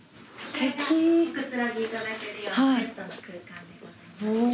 こちらが寛ぎいただけるようなベッドの空間でございます。